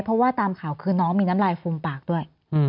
เพราะว่าตามข่าวคือน้องมีน้ำลายฟูมปากด้วย